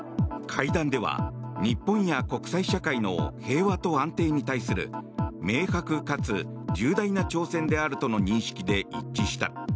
会談では日本や国際社会の平和と安定に対する明白かつ重大な挑戦であるとの認識で一致した。